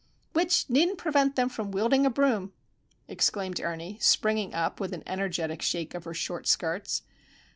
"Which needn't prevent them from wielding a broom!" exclaimed Ernie, springing up with an energetic shake of her short skirts.